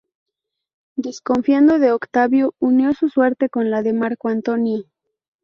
Desconfiando de Octavio, unió su suerte con la de Marco Antonio.